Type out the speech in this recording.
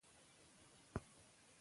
مور د ماشومانو د فزیکي ودې څارنه کوي.